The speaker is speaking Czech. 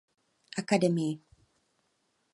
Akademii.